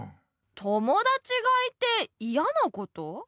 友だちがいていやなこと？